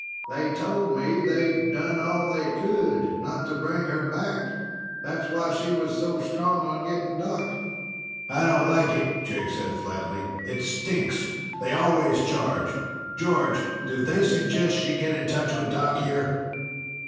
"They told me they'd done all they could, not to bring her back. That's why she was so strong on getting Doc." "I don't like it," Jake said flatly. "It stinks. They always charge. George, did they suggest she get in touch with Doc here?"